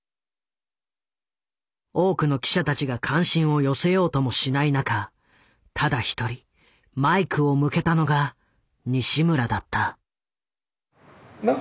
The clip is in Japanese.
多くの記者たちが関心を寄せようともしない中ただ一人マイクを向けたのが西村だった。